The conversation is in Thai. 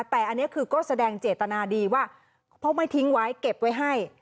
แต่อันนี้คือก็แสดงเจตนาดีว่าเพราะไม่ทิ้งไว้เก็บไว้ให้